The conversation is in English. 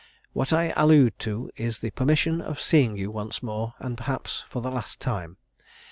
What I allude to is the permission of seeing you once more, and, perhaps, for the last time.